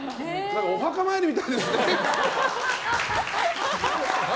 お墓参りみたいですねって。